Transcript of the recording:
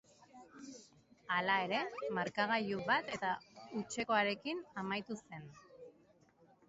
Hala ere, markagailua bat eta hutsekoarekin amaitu zen.